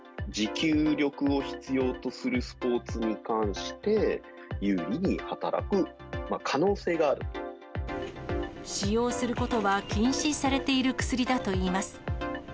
持久力を必要とするスポーツに関して、使用することは禁止されている薬だといいます。